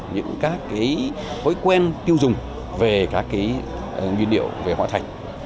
những các hối quen tiêu dùng về các nguyên điệu về hóa thành